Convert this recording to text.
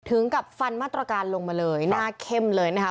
ถึงกับฟันมาตรการลงมาเลยหน้าเข้มเลยนะคะ